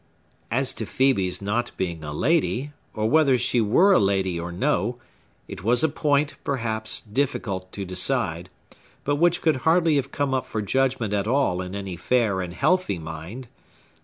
As to Phœbe's not being a lady, or whether she were a lady or no, it was a point, perhaps, difficult to decide, but which could hardly have come up for judgment at all in any fair and healthy mind.